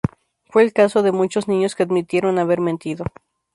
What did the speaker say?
Fue el caso de muchos niños que admitieron haber mentido.